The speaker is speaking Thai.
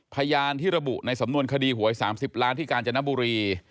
พยานที่ระบุในสำนวนคดีหวย๓๐ล้านที่กาญจนบุรี